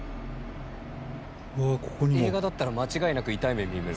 映画だったら間違いなく痛い目見るやつ。